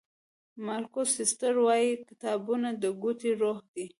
مارکوس سیسرو وایي کتابونه د کوټې روح دی.